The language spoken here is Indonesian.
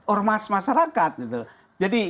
ormas masyarakat jadi